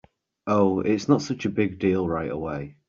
Oh, it’s not such a big deal right away.